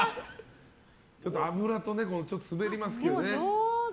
脂で滑りますけどね。